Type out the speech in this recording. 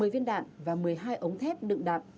một mươi viên đạn và một mươi hai ống thép đựng đạn